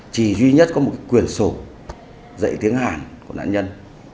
chỉ duy nhất có một quyền sổ dạy tiếng hàn của nạn nhân